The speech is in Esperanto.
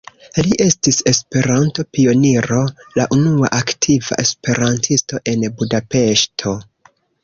Li estis Esperanto-pioniro, la unua aktiva esperantisto en Budapeŝto.